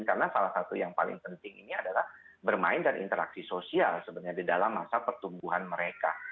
karena salah satu yang paling penting ini adalah bermain dan interaksi sosial sebenarnya di dalam masa pertumbuhan mereka